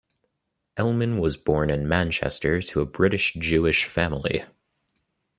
Ellman was born in Manchester to a British Jewish family.